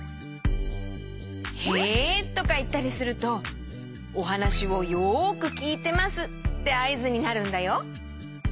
「へ」とかいったりするとおはなしをよくきいてますってあいずになるんだよ。